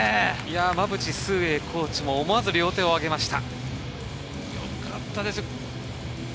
馬淵コーチも思わず両手を挙げました。